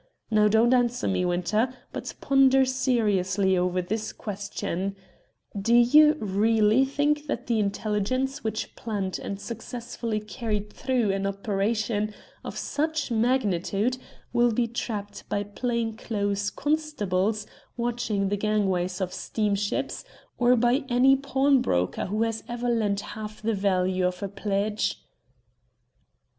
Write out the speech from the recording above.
Now, don't answer me, Winter, but ponder seriously over this question: Do you really think that the intelligence which planned and successfully carried through an operation of such magnitude will be trapped by plain clothes constables watching the gangways of steamships, or by any pawnbroker who has ever lent half the value of a pledge?"